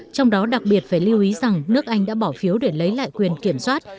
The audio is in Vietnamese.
trong đó đặc biệt phải lưu ý rằng nước anh đã bỏ phiếu để lấy lại quyền kiểm soát